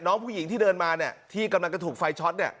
น้องผู้หญิงที่เดินมาที่กำลังจะถูกไฟช็อต